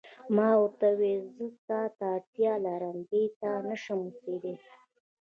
ما ورته وویل: زه تا ته اړتیا لرم، بې تا نه شم اوسېدای.